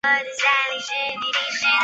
万历五年丁丑科进士。